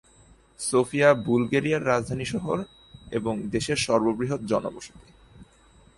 Sophia- বুলগেরিয়ার রাজধানী শহর এবং দেশের সর্ববৃহৎ জনবসতি।